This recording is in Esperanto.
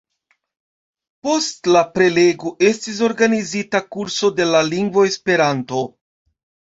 Post la prelego estis organizita kurso de la lingvo Esperanto.